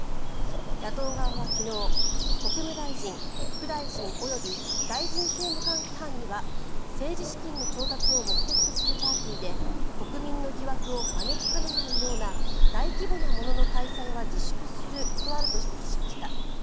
野党側は昨日、国務大臣副大臣及び大臣政務官規範には政治資金の調達を目的とするパーティーで国民の疑惑を招きかねないような大規模なものの開催は自粛するとあると指摘しました。